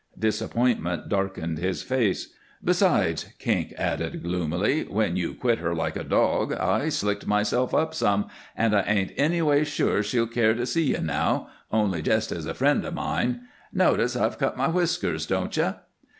Disappointment darkened his face. "Besides," Kink added, gloomily, "when you quit her like a dog I slicked myself up some, and I ain't anyways sure she'll care to see you now only jest as a friend of mine. Notice I've cut my whiskers, don't you?"